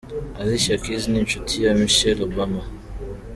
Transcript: Alcia Keys ni inshuti ya Michelle Obama.